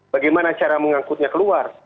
bagaimana cara mengangkutnya keluar